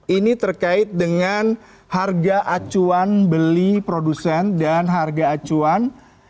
ini terkait dengan harga acuan beli produsen dan harga acuan